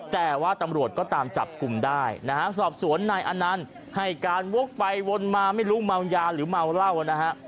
แต่ว่าตำรวจก็ตามจับกลุ่มได้นะฮะสอบสวนนายอนันต์ให้การวกไปวนมาไม่รู้เมายาหรือเมาเหล้านะฮะ